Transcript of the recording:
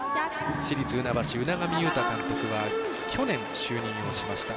市立船橋、海上雄大監督は去年、就任をしました。